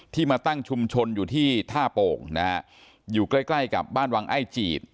ที่มาตั้งชุมชนอยู่ที่ท่าโปกอยู่ใกล้กับบ้านวังไอจีด